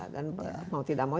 dan mau tidak